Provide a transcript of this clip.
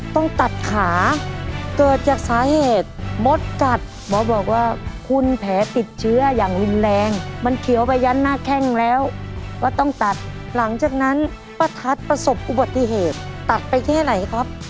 ต้องตัดขาเกิดจากสาเหตุมดกัดหมอบอกว่าคุณแผลติดเชื้ออย่างรุนแรงมันเขียวไปยันหน้าแข้งแล้วก็ต้องตัดหลังจากนั้นป้าทัศน์ประสบอุบัติเหตุตัดไปแค่ไหนครับ